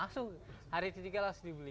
langsung hari ketiga langsung dibeli